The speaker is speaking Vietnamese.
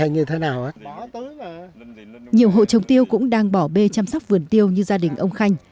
nhiều hộ trồng tiêu cũng đang bỏ bê chăm sóc vườn tiêu như gia đình ông khanh